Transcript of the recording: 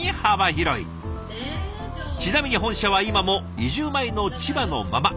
ちなみに本社は今も移住前の千葉のまま。